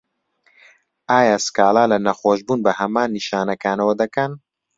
ئایا سکاڵا له نەخۆشبوون بە هەمان نیشانەکانەوه دەکەن؟